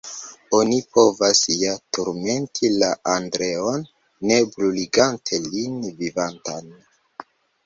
Oni povas ja turmenti la Andreon, ne bruligante lin vivantan.